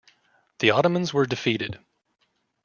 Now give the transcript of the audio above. The Ottomans were defeated.